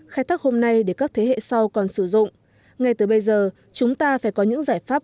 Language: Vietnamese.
khai thác hôm nay để các thế hệ sau còn sử dụng ngay từ bây giờ chúng ta phải có những giải pháp